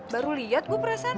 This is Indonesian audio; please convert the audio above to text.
baru liat gua perasan